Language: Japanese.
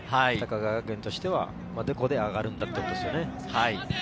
高川学園としては、ここで上がるんだというところですね。